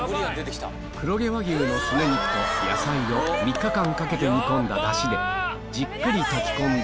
黒毛和牛のスネ肉と野菜を３日間かけて煮込んだダシでじっくり炊き込んだ